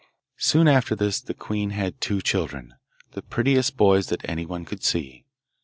Soon after this the queen had two children, the prettiest boys that anyone could see.